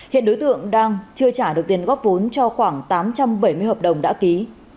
hiện đối tượng đang chưa trả được tiền góp vốn cho khoảng tám trăm bảy mươi hợp đồng đã ký